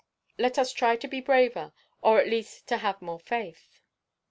Let us try to be braver, or at least to have more faith."